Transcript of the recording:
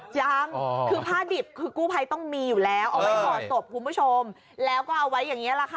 ยังคือผ้าดิบคือกู้ภัยต้องมีอยู่แล้วเอาไว้ห่อศพคุณผู้ชมแล้วก็เอาไว้อย่างนี้แหละค่ะ